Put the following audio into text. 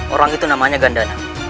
orang itu namanya gandana